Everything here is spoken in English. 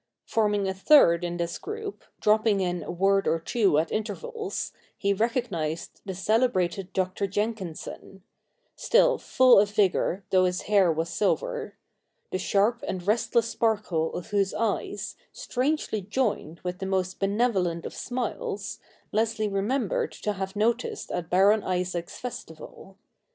Forming a third in this group, dropping in a word or two at intervals, he recognised the celebrated Dr. Jenkinson — still full of vigour, though his hair was silver — the sharp and restless sparkle of whose eyes, strangely joined with the most benevolent of smiles, Leslie rememered to have noticed at Baron Isaacs' festival.